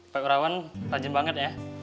pak girawan rajin banget ya